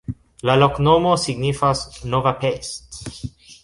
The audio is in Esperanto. La loknomo signifas: nova Pest.